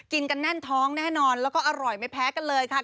กินกันแน่นท้องแน่นอนแล้วก็อร่อยไม่แพ้กันเลยค่ะ